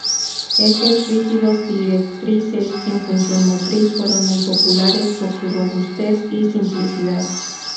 Ejes rígidos directrices sin función motriz, fueron muy populares por su robustez y simplicidad.